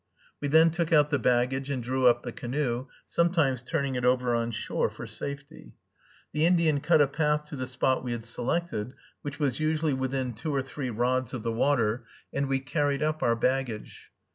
We then took out the baggage and drew up the canoe, sometimes turning it over on shore for safety. The Indian cut a path to the spot we had selected, which was usually within two or three rods of the water, and we carried up our baggage.